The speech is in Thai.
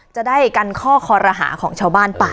จะได้กันข้อคอรหาของชาวบ้านไป